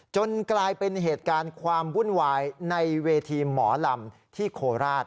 จนกลายเป็นเหตุการณ์ความวุ่นวายในเวทีหมอลำที่โคราช